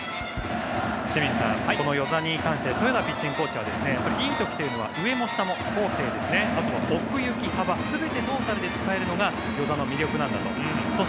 清水さん、與座に関して豊田ピッチングコーチはいい時というのは上も下もあとは奥行き、幅全てトータルに使えるのが與座の魅力なんだと。